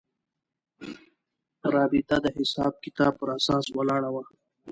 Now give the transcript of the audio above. رابطه د حساب کتاب پر اساس ولاړه وه.